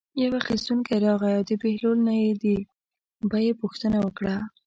یو اخیستونکی راغی او د بهلول نه یې د بیې پوښتنه وکړه.